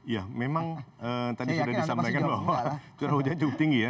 ya memang tadi sudah disampaikan bahwa curah hujan cukup tinggi ya